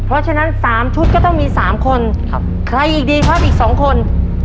เพราะฉะนั้น๓ชุดก็ต้องมี๓คนใครอีกดีครับอีก๒คน